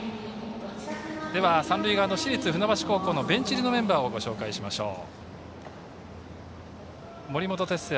では、三塁側の市立船橋高校のベンチ入りのメンバーをご紹介しましょう。